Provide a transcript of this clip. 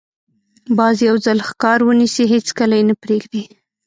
باز یو ځل ښکار ونیسي، هېڅکله یې نه پرېږدي